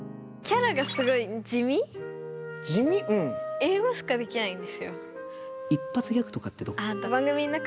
英語しかできないんですよ。